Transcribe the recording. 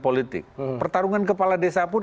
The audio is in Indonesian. politik pertarungan kepala desa pun